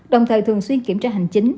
đồng thời thường xuyên kiểm tra hành chính